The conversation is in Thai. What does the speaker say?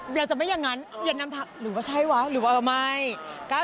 อยากจะไม่อย่างนั้นหรือว่าใช่วะหรือว่าไม่